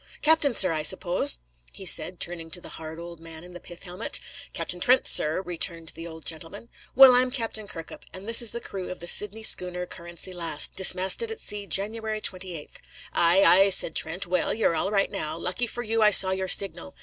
"Captain, sir, I suppose?" he said, turning to the hard old man in the pith helmet. "Captain Trent, sir," returned the old gentleman. "Well, I'm Captain Kirkup, and this is the crew of the Sydney schooner Currency Lass, dismasted at sea January 28th." "Ay, ay," said Trent. "Well, you're all right now. Lucky for you I saw your signal.